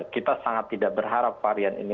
kita sangat tidak berharap varian ini